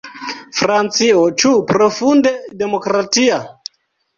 Francio, ĉu profunde demokratia?